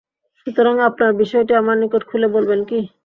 সুতরাং আপনার বিষয়টি আমার নিকট খুলে বলবেন কি?